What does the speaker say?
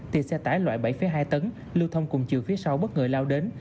thì xe tải loại bảy hai tấn lưu thông cùng chiều phía sau bất ngờ lao đến